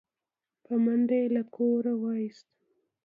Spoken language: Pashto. په منډه يې له کوره و ايست